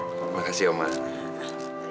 terima kasih om mbak